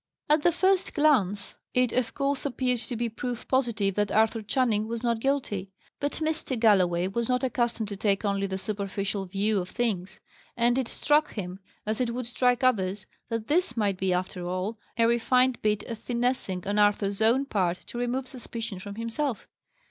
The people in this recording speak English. At the first glance, it of course appeared to be proof positive that Arthur Channing was not guilty. But Mr. Galloway was not accustomed to take only the superficial view of things: and it struck him, as it would strike others, that this might be, after all, a refined bit of finessing on Arthur's own part to remove suspicion from himself.